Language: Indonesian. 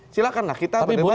silahkan lah kita berdebat